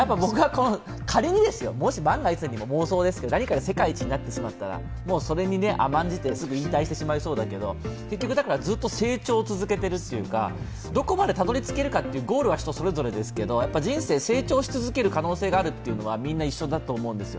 仮にですよ、もし万が一、妄想ですよ、何かの世界一になってしまったらそれに甘んじて、すぐ引退してしまいそうだけど、ずっと成長を続けているというかどこまでたどり着けるかというゴールはそれぞれですけれども、人生成長し続ける可能性はみんな一緒だと思うんですよ。